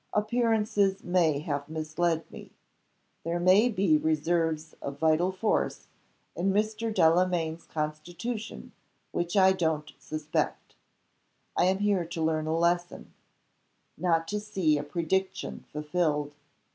Appearances may have misled me. There may be reserves of vital force in Mr. Delamayn's constitution which I don't suspect. I am here to learn a lesson not to see a prediction fulfilled.